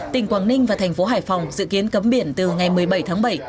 tỉnh quảng ninh và thành phố hải phòng dự kiến cấm biển từ ngày một mươi bảy tháng bảy